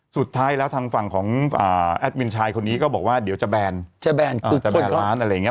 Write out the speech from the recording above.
สุดท้ายแล้วทางฝั่งของแอดมินชายคนนี้ก็บอกว่าเดี๋ยวจะแบนจะแนนก่อนจะแบนร้านอะไรอย่างนี้